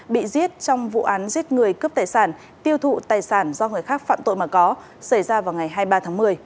bị giết trong vụ án giết người cướp tài sản tiêu thụ tài sản do người khác phạm tội mà có xảy ra vào ngày hai mươi ba tháng một mươi